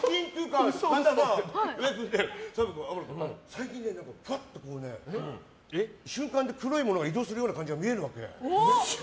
最近ふわっと、瞬間で黒いものが移動する感じが見えるわけ。